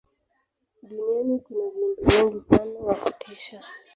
duniani kuna viumbe wengi sana wa kutisha